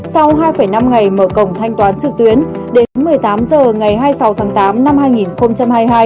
sau hai năm ngày mở cổng thanh toán trực tuyến đến một mươi tám h ngày hai mươi sáu tháng tám năm hai nghìn hai mươi hai